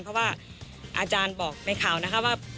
เพราะว่าอาจารย์บอกในข่าวนะคะว่า